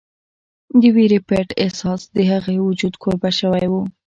د وېرې پټ احساس د هغې وجود کوربه شوی و